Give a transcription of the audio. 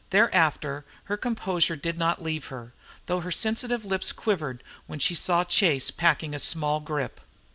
Thereafter her composure did not leave her, though her sensitive lips quivered when she saw Chase packing a small grip.